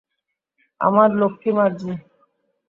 আমার লক্ষী মার্জি।